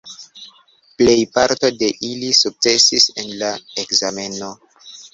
Plejparto de ili sukcesis en la ekzameno.